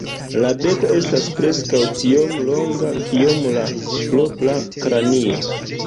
La beko estas preskaŭ tiom longa kiom la propra kranio.